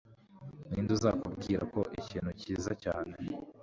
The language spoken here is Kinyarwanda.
ninde uzakubwira ko ikintu cyiza cyane